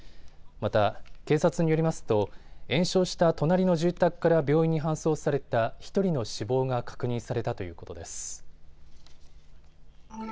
また警察によりますと延焼した隣の住宅から病院に搬送された１人の死亡が確認されたということです。